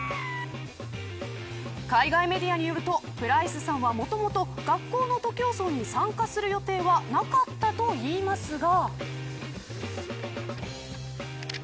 海外メディアによるとプライスさんはもともと学校の徒競走に参加する予定はなかったといいますが。